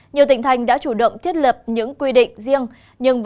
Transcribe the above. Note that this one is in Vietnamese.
nhiều tỉnh thành đã chủ động thiết lập những quy định riêng